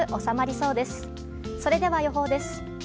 それでは予報です。